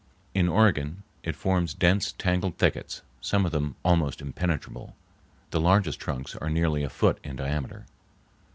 In Oregon it forms dense, tangled thickets, some of them almost impenetrable. The largest trunks are nearly a foot in diameter.